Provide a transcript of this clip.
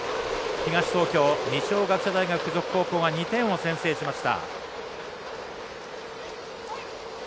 東京、二松学舎大学付属高校が２点を先制しました。